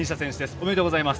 おめでとうございます。